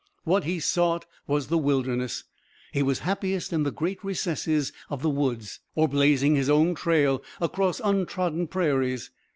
What he sought was the wilderness; he was happiest in the great recesses of the woods, or blazing his own trail across untrodden prairies.